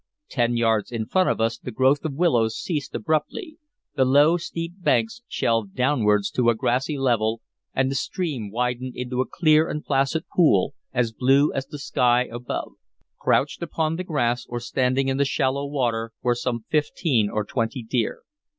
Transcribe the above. Ten yards in front of us the growth of willows ceased abruptly, the low, steep banks shelved downwards to a grassy level, and the stream widened into a clear and placid pool, as blue as the sky above. Crouched upon the grass or standing in the shallow water were some fifteen or twenty deer.